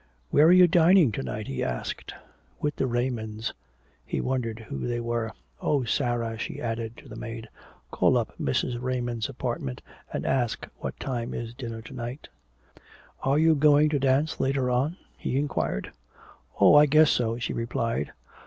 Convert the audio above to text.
"Where are you dining to night?" he asked. "With the Raymonds." He wondered who they were. "Oh, Sarah," she added to the maid. "Call up Mrs. Raymond's apartment and ask what time is dinner to night." "Are you going to dance later on?" he inquired. "Oh, I guess so," she replied.